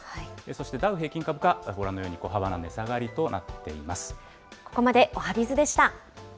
そしてダウ平均株価、ご覧のように小幅な値下がりとなっています。